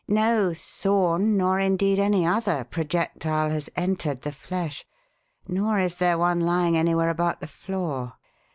No thorn nor, indeed, any other projectile has entered the flesh, nor is there one lying anywhere about the floor.